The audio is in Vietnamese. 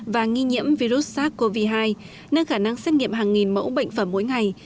và nghi nhiễm virus sars cov hai nâng khả năng xét nghiệm hàng nghìn mẫu bệnh phẩm mỗi ngày